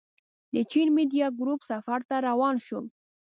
د چين ميډيا ګروپ سفر ته روان شوو.